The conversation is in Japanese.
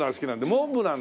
モンブラン。